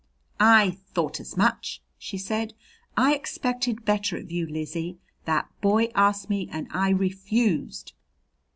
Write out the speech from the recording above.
"I thought as much!" she said. "I expected better of you, Lizzie. That boy asked me and I refused.